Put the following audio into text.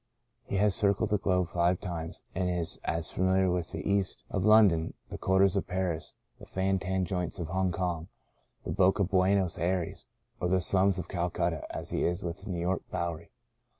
He has circled the globe five times and is as familiar with the East End of London, the Quartier of Paris, the fan tan joints of Hong Kong, the Boca of Buenos Ayres or the slums of Calcutta as he is with the New York Bowery.